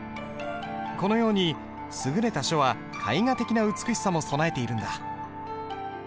このように優れた書は絵画的な美しさも備えているんだ。